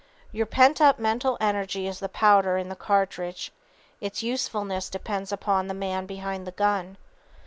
Your pent up mental energy is the powder in the cartridge. Its usefulness depends upon the man behind the gun.